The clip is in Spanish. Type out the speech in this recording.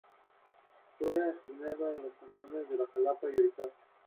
Igualmente obvio, la solución es un aumento simultáneo.